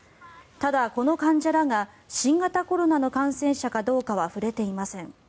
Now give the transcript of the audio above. ただ、この患者らが新型コロナの感染者かどうかは触れていません。